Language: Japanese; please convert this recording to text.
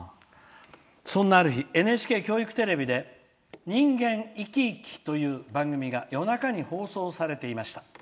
「そんな、ある日ＮＨＫ教育テレビで「人間いきいき」という番組が夜中に放送されていました」。